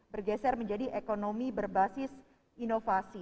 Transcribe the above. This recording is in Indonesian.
bergeser menjadi ekonomi berbasis inovasi